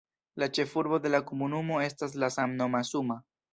La ĉefurbo de la komunumo estas la samnoma "Suma".